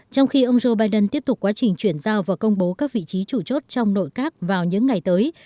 trong khi ông joe biden tiếp tục quá trình chuyển giao và công bố các vị trí chủ chốt trong nội các vào những ngày tới